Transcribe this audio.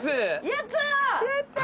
やった！